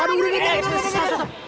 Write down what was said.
aduh udah udah